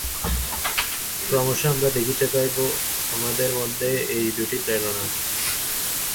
ক্রমশ আমরা দেখিতে পাইব, আমাদের মধ্যে এই দুইটি প্রেরণা আছে।